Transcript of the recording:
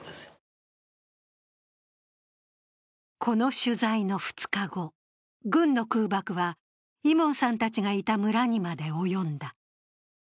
この取材の２日後、軍の空爆はイモンさんたちがいた村にまで及んだ。